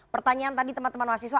pertanyaan tadi teman teman mahasiswa